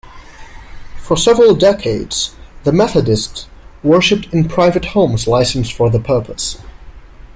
For several decades the Methodists worshipped in private homes licensed for the purpose.